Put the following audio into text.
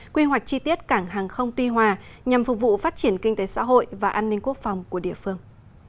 quy hoạch chi tiết cảng hàng không tuy hòa nhằm phục vụ phát triển kinh tế xã hội và an ninh quốc phòng của địa phương